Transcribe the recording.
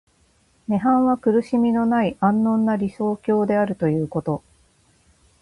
涅槃は苦しみのない安穏な理想郷であるということ。